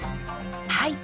はい。